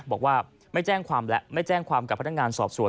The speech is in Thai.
บอกว่าไม่แจ้งความและไม่แจ้งความกับพนักงานสอบสวน